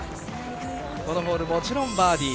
このホールもちろんバーディー。